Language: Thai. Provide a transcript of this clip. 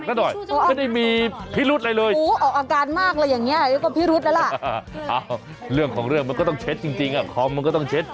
แล้วมันหมดหลายหอมากเวลามันอยู่หน้าคอมเท้าเท๑๓๐